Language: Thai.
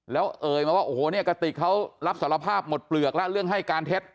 แล้วเอ่ยมาว่าโอ้โหเนี่ยกระติกเขารับสารภาพหมดเปลือกแล้วเรื่องให้การเท็จ